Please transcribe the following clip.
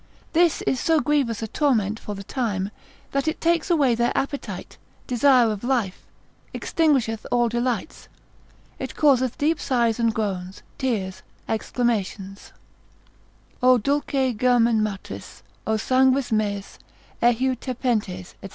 This is so grievous a torment for the time, that it takes away their appetite, desire of life, extinguisheth all delights, it causeth deep sighs and groans, tears, exclamations, (O dulce germen matris, o sanguis meus, Eheu tepentes, &c.